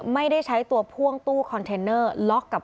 ไม่ได้ใช้ตัวพ่วงตู้คอนเทนเนอร์ล็อกกับ